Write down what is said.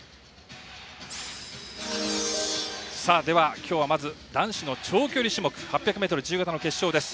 では、今日はまず男子の長距離種目８００ｍ自由形の決勝です。